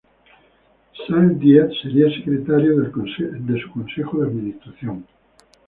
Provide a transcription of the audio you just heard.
Sáenz-Díez sería secretario de su Consejo de Administración.